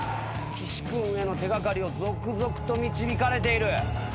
岸君への手掛かりを続々と導かれている。